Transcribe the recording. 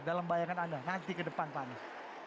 dalam bayangan anda nanti ke depan pak anies